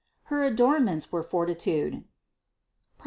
Her adornments were fortitude (Prov.